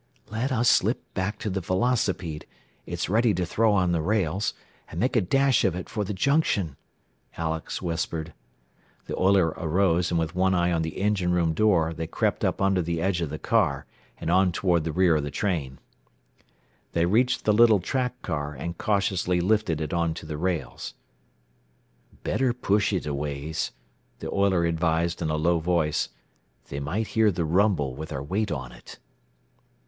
"Let us slip back to the velocipede it's ready to throw on the rails and make a dash of it for the junction," Alex whispered. The oiler arose, and with one eye on the engine room door they crept up under the edge of the car, and on toward the rear of the train. They reached the little track car, and cautiously lifted it onto the rails. "Better push it a ways," the oiler advised in a low voice. "They might hear the rumble, with our weight on it."